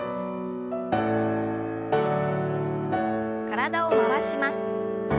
体を回します。